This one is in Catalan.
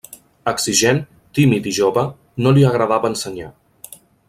Exigent, tímid i jove, no li agradava ensenyar.